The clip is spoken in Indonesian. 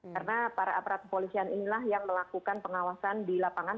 karena para aparat kepolisian inilah yang melakukan pengawasan di lapangan